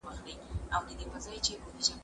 کېدای سي د کتابتون کتابونه سخت وي،